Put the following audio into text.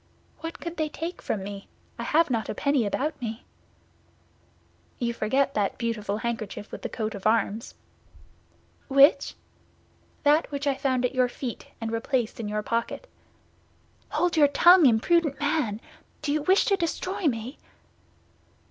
"What could they take from me? I have not a penny about me." "You forget that beautiful handkerchief with the coat of arms." "Which?" "That which I found at your feet, and replaced in your pocket." "Hold your tongue, imprudent man! Do you wish to destroy me?"